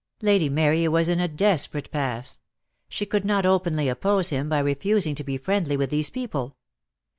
Lady Mary was in a desperate pass. She could not openly oppose him by refusing to be friendly with these people.